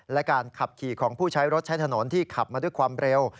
และการขับขี่ของผู้ใช้รถใช้ถนนที่ขับมาด้วยความเร็ว